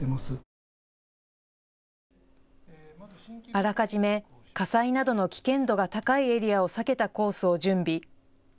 あらかじめ火災などの危険度が高いエリアを避けたコースを準備。